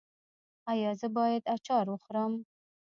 ایا زه باید اچار وخورم؟